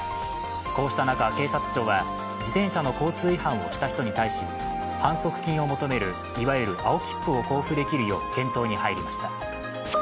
こうした中、警察庁は自転車の交通違反をした人に対し反則金を求めるいわゆる青切符を交付できるよう検討に入りました。